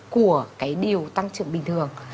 của cái điều tăng trưởng bình thường